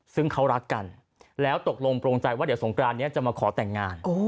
ซึ่งเขารักกันแล้วตกลงโปรงใจว่าเดี๋ยวสงกรานนี้จะมาขอแต่งงาน